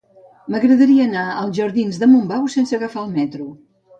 M'agradaria anar als jardins de Montbau sense agafar el metro.